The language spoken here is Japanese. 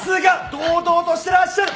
堂々としてらっしゃる！